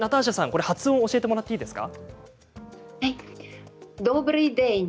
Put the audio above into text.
教えてもらっていいですか。